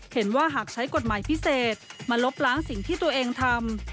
หากใช้กฎหมายพิเศษมาลบล้างสิ่งที่ตัวเองทำ